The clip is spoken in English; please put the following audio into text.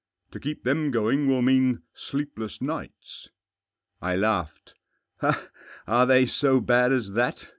To keep them going will mean sleepless nights." I laughed. " Are they so bad as that